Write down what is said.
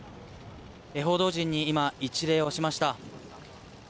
報道陣に今、一礼をしました。